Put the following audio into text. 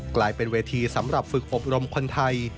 กลายเป็นเวทีสำหรับฝึกอบรมคนไทย